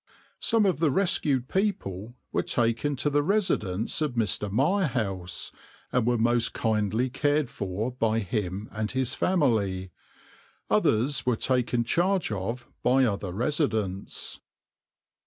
Some of the rescued people were taken to the residence of Mr. Mirehouse, and were most kindly cared for by him and his family; others were taken charge of by other residents.